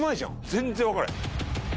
全然分からへん。